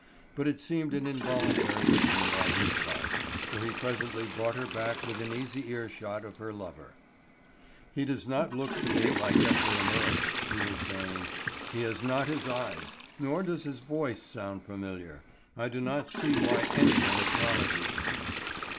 But it seemed an involuntary movement on his part, for he presently brought her back within easy earshot of her lover. "He does not look to me like Ephraim Earle," he was saying. "He has not his eyes, nor does his voice sound familiar. I do not see why any one acknowledges him."